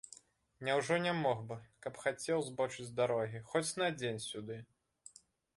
Няўжо не мог бы, каб хацеў, збочыць з дарогі, хоць на дзень сюды?